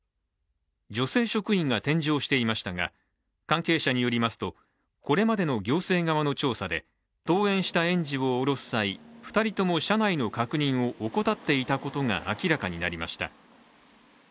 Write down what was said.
女性職員が添乗していましたが関係者によりますとこれまでの行政側の調査で登園した園児を降ろす際、２人とも車内の確認を怠っていたことが明らかになりました。